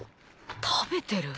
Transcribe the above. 食べてる。